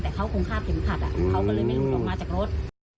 แต่เขาคงฆ่าเผ็ดมะขัดเขาก็เลยไม่ออกมาจากรถ